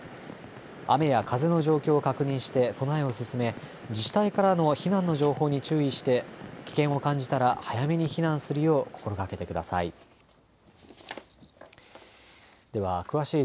雨や風の状況を確認して備えを進め自治体からの避難の情報に注意して危険を感じたら早めに避難するよう心がけてください。